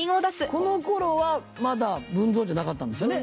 この頃はまだ文蔵じゃなかったんですよね？